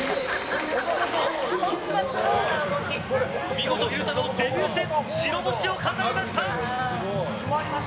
見事、昼太郎デビュー戦、白星を飾りました！